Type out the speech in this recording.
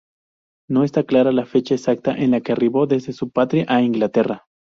No está clara la fecha exacta en que arribó desde su patria a Inglaterra.